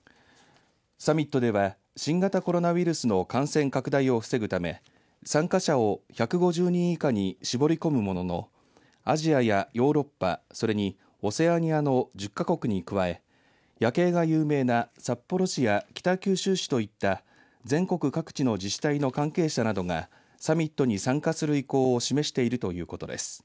サミットでは新型コロナウイルスの感染拡大を防ぐため参加者を１５０人以下に絞り込むもののアジアやヨーロッパそれに、オセアニアの１０か国に加え夜景が有名な札幌市や北九州市といった全国各地の自治体の関係者などがサミットに参加する意向を示しているということです。